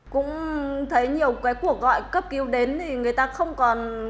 cũng thấy nhiều cái cuộc gọi cấp cứu đến thì người ta không còn